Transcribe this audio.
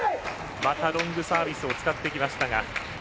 またロングサービスを使ってきました。